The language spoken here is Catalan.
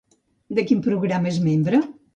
De quin programa és membre?